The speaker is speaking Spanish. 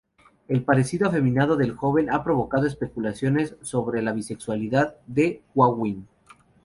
El parecido afeminado del joven ha provocado especulaciones sobre la bisexualidad de Gauguin.